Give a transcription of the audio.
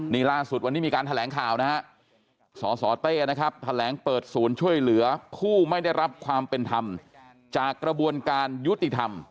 นี่ล่าสุดวันนี้มีการแถลงข่าวนะฮะสสเต้นะครับแถลงเปิดศูนย์ช่วยเหลือผู้ไม่ได้รับความเป็นธรรมจากกระบวนการยุติธรรม